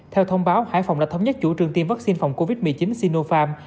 theo thông báo hải phòng đã thống nhất chủ trương tiêm vaccine phòng covid một mươi chín sinopharm